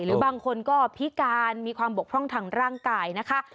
หรือบางคนก็พิการมีความบกพร่องทางร่างกายนะคะ